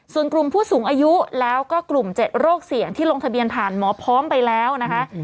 ส่วนกลุ่มผู้สูงอายุแล้วก็กลุ่ม๗โรคเสี่ยงที่ลงทะเบียนผ่านหมอพร้อมไปแล้วนะคะ